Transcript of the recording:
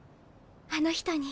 あの人に。